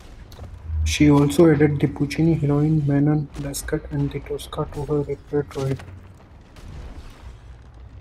She also added the Puccini heroine "Manon Lescaut" and "Tosca" to her repertoire.